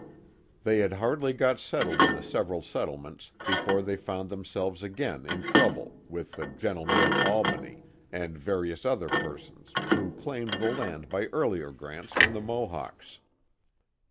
*' They had hardly got settled in the several settlements, be fore they found themselves again in trouble, with the Gen tlemen of Albany," and various other persons, who claimed the land by earlier grants from the Mohawks.